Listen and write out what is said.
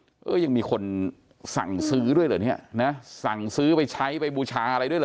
แกยังมีคนสั่งซื้อด้วยสั่งซื้อไปใช้ไปบูชาอะไรด้วย